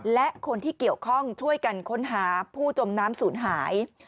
และคนที่เกี่ยวข้องช่วยกันค้นหาผู้จมน้ำศูนย์หาย